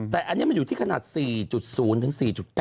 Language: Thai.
แต่อันนี้มันอยู่ที่ขนาด๔๐๔๙